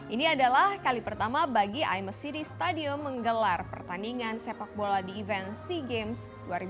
ini adalah kali pertama bagi imacy stadium menggelar pertandingan sepak bola di event sea games dua ribu delapan belas